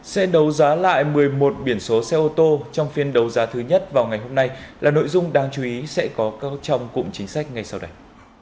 sẽ đấu giá lại một mươi một biển số xe ô tô trong phiên đấu giá thứ nhất vào ngày hôm nay là nội dung đáng chú ý sẽ có trong cụm chính sách ngay sau đây